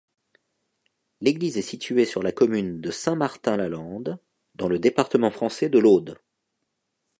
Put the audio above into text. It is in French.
L'église est située sur la commune de Saint-Martin-Lalande, dans le département français de l'Aude.